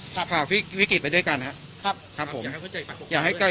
ครับข่าววิกฤตไปด้วยกันฮะครับครับผมอยากให้เข้าใจ